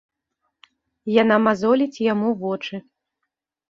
Яна мазоліць яму вочы.